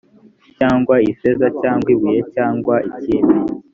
cyangwa ifeza cyangwa ibuye cyangwa ikindi